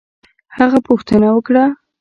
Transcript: هغه پوښتنه وکړه